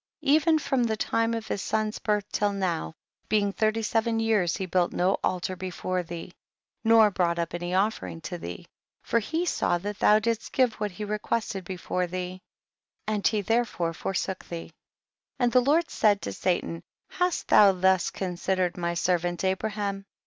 53. Even from the time of his son's birth till now, being thirty seven years, he built no altar before thee, nor brought up any offering to thee, for he saw that thou didst give what he requested before thee, and he therefore forsook thee. 54. And the Lord said to Satan, hast thou thus considered my servant Abraham